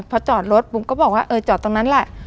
พอจอดรถบุ๋มก็บอกว่าเออจอดตรงนั้นแหละ